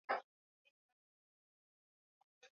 ya lugha hizo inaongoza kwa mbali ile ya